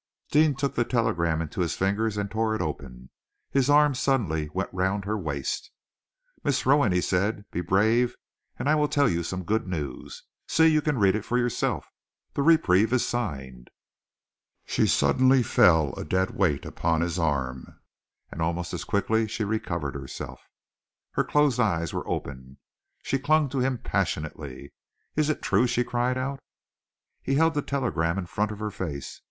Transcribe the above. Deane took the telegram into his fingers and tore it open. His arm suddenly went round her waist. "Miss Rowan," he said, "be brave and I will tell you some good news. See, you can read it for yourself. The reprieve is signed." She suddenly fell a dead weight upon his arm, and almost as quickly she recovered herself. Her closed eyes were opened, she clung to him passionately. "It is true?" she cried out. He held the telegram in front of her face.